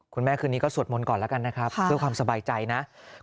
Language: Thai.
คุณแม่คืนนี้ก็สวดมนต์ก่อนแล้วกันนะครับเพื่อความสบายใจนะ